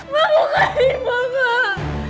maa bukain bang aku